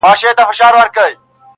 چي اسمان ورته نجات نه دی لیکلی -